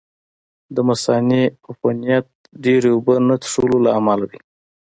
د مثانې عفونت ډېرې اوبه نه څښلو له امله دی.